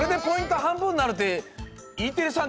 はんぶんになるってＥテレさん